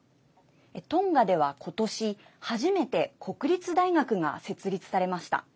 トンガでは、今年初めて国立大学が設立されました。